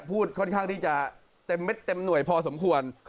ค่อนข้างที่จะเต็มเม็ดเต็มหน่วยพอสมควร